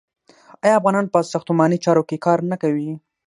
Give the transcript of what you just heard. آیا افغانان په ساختماني چارو کې کار نه کوي؟